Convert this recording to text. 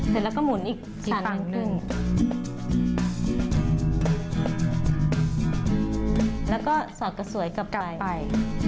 เสร็จแล้วก็หมุนอีกสันนึงแล้วก็สอดกระสวยกลับไป